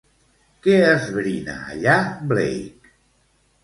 Què esbrina allà Blake?